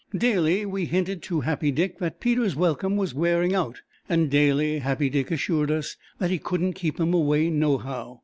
Daily we hinted to Happy Dick that Peter's welcome was wearing out, and daily Happy Dick assured us that he "couldn't keep him away nohow."